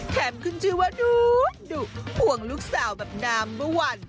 แถมคุณชื่อว่าดูดุห่วงลูกสาวแบบดามเบอร์วัน